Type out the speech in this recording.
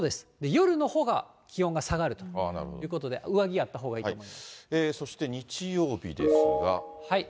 夜のほうが気温が下がるということで、上着あったそして、日曜日ですが。